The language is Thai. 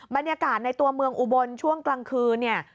บรรยากาศในตัวเมืองอุบลช่วงกลางคืนเนี่ย